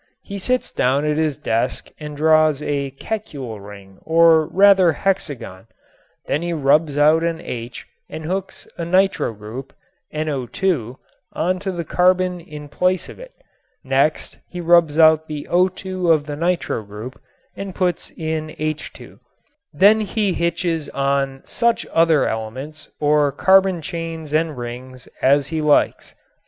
He sits down at his desk and draws a "Kekulé ring" or rather hexagon. Then he rubs out an H and hooks a nitro group (NO_) on to the carbon in place of it; next he rubs out the O_ of the nitro group and puts in H_; then he hitches on such other elements, or carbon chains and rings as he likes.